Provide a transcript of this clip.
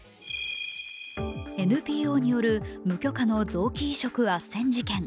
ＮＰＯによる無許可の臓器移植あっせん事件。